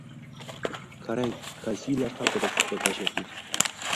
Qarang, qaysi yillar haqida suhbatlashyapmiz.